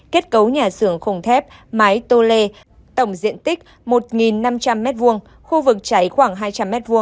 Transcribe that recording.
kết cấu nhà xưởng khung thép mái tô lê tổng diện tích một năm trăm linh m hai khu vực cháy khoảng hai trăm linh m hai